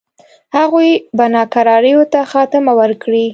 هغوی به ناکراریو ته خاتمه ورکړي.